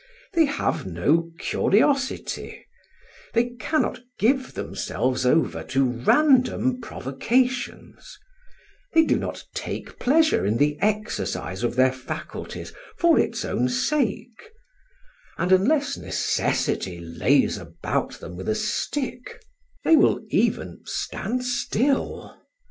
They have no curiosity; they cannot give themselves over to random provocations; they do not take pleasure in the exercise of their faculties for its own sake; and unless Necessity lays about them with a stick, they will even stand still.